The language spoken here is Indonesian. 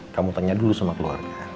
kamu tanya dulu sama keluarga